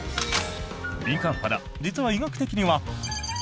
敏感肌、実は医学的には○○。